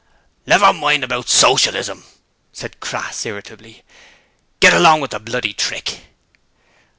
'Never mind about Socialism,' said Crass, irritably. 'Get along with the bloody trick.'